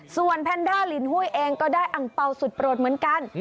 ส่วนแพนด้าลินหุ้ยเองก็ได้อังเปล่าสุดโปรดเหมือนกัน